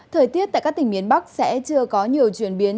thời tiết tại các tỉnh miền bắc sẽ chưa có nhiều chuyển biến